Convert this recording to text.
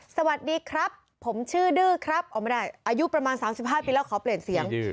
สวัสดีครับผมชื่อดื้อครับเอาไม่ได้อายุประมาณ๓๕ปีแล้วขอเปลี่ยนเสียง